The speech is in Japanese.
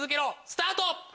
スタート！